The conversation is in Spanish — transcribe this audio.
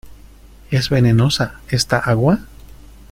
¿ es venenosa esta agua?